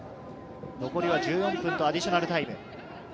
残りは１４分とアディショナルタイム。